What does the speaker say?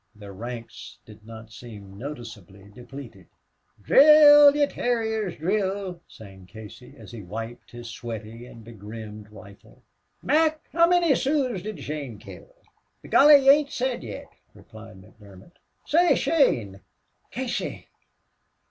Their ranks did not seem noticeably depleted. "Drill, ye terriers, drill!" sang Casey, as he wiped his sweaty and begrimed rifle. "Mac, how many Sooz did Shane kill?" "B'gorra, he ain't said yit," replied McDermott. "Say, Shane.... CASEY!"